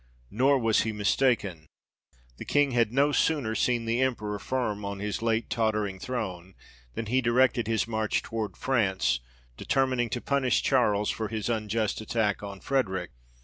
Nor was he mistaken ; the King had no sooner seen the Emperor firm on his late tottering throne, than he directed his march towards France, determining to punish Charles for his unjust attack on Frederick.